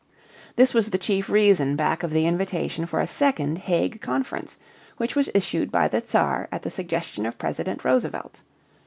This was the chief reason back of the invitation for a second Hague Conference, which was issued by the Czar at the suggestion of President Roosevelt.